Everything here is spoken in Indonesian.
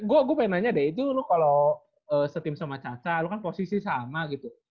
eh tapi gue pengen nanya deh itu lu kalau se team sama caca lu kan posisi sama gitu